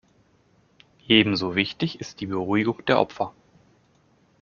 Ebenso wichtig ist die Beruhigung der Opfer.